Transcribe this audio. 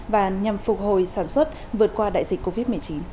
và nhằm phục hồi sản xuất vượt qua đại dịch covid một mươi chín